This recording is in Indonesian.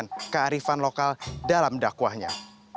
dengan kearifan lokal dalam dakwahnya